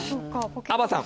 あばさん。